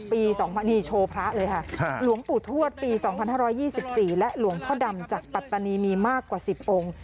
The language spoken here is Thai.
ปี๒๐นี้โชว์พระเลยค่ะหลวงปู่ทวดปี๒๕๒๔และหลวงพ่อดำจากปัตตานีมีมากกว่า๑๐องค์